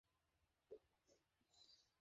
এ বিষয়টা আমি পাপাকেও বলিনি।